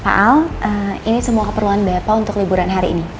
pak al ini semua keperluan bapak untuk liburan hari ini